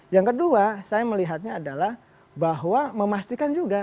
yang kedua saya melihatnya adalah bahwa memastikan juga